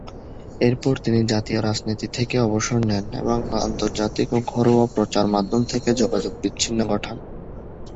এরপর তিনি জাতীয় রাজনীতি থেকে অবসর নেন এবং আন্তর্জাতিক ও ঘরোয়া প্রচার মাধ্যমে থেকে যোগাযোগ বিচ্ছিন্ন ঘটান।